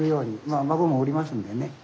まあ孫もおりますんでね。